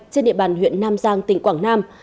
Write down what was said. trên địa bàn huyện nam giang tỉnh quảng nam